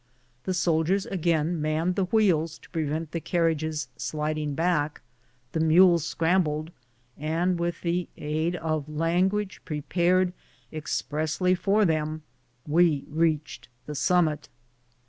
The soldiers again manned the wheels to prevent the carriage sliding back, the mules scrambled, and with the aid of language prepared expressly for them, we reached the summit.